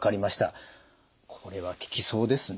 これは効きそうですね。